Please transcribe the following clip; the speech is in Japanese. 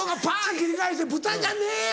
切り返して「ブタじゃねえよ！」。